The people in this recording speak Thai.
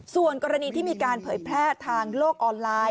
ส่วนกรณีที่มีการเผยแพร่ทางโลกออนไลน์